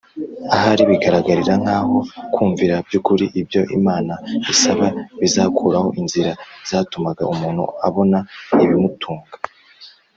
Ahari bigaragara nkaho kumvira by’ukuri ibyo Imana isaba bizakuraho inzira zatumaga umuntu abona ibimutunga